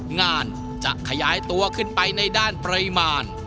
งานจะขยายตัวขึ้นไปในด้านปริมาณ